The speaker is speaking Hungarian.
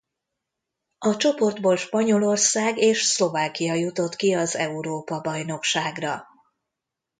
A csoportból Spanyolország és Szlovákia jutott ki az Európa-bajnokságra.